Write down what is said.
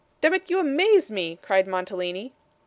'Demmit, you amaze me,' cried Mantalini.